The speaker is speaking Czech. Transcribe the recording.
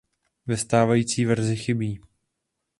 Ve stávající verzi chybí.